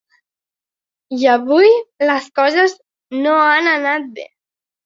I avui les coses no han anat bé.